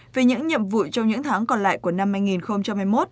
về những nhiệm vụ trong những tháng còn lại của năm hai nghìn hai mươi một